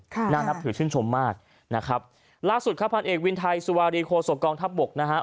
น่านับถือชื่นชมมากนะครับล่าสุดครับพันเอกวินไทยสุวารีโคศกองทัพบกนะฮะ